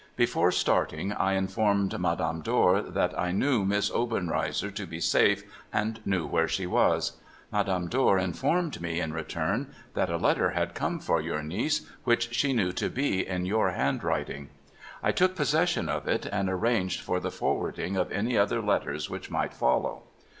Before starting, I informed Madame Dor. that I knew Miss Obenreizer to be safe, and knew where she was. Madame Dor informed me, in return, that a letter had come for your niece, which she knew to be in your handwriting. I took possession of it, and arranged for the forwarding of any other letters which might follow.